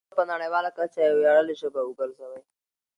پښتو ژبه په نړیواله کچه یوه ویاړلې ژبه وګرځوئ.